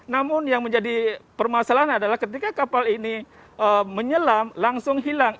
namun yang menjadi permasalahan adalah ketika kapal ini menyelam langsung hilang